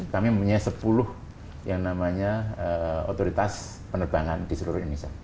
kami memiliki sepuluh otoritas penerbangan di seluruh indonesia